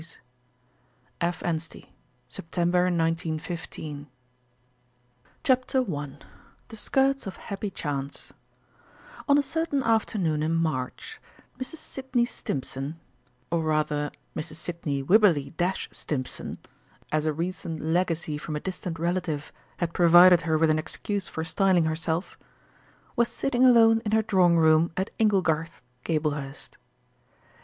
SQUARING ACCOUNTS EPILOGUE IN BRIEF AUTHORITY CHAPTER I "THE SKIRTS OF HAPPY CHANCE" On a certain afternoon in March Mrs. Sidney Stimpson (or rather Mrs. Sidney Wibberley Stimpson, as a recent legacy from a distant relative had provided her with an excuse for styling herself) was sitting alone in her drawing room at "Inglegarth," Gablehurst.